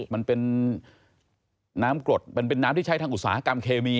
มันเป็นน้ำกรดมันเป็นน้ำที่ใช้ทางอุตสาหกรรมเคมี